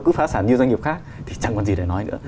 cứ phá sản như doanh nghiệp khác thì chẳng còn gì để nói nữa